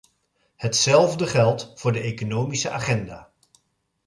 Hetzelfde geldt voor de economische agenda.